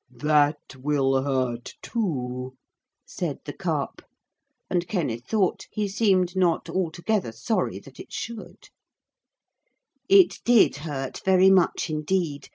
'That will hurt too,' said the Carp, and Kenneth thought he seemed not altogether sorry that it should. It did hurt very much indeed.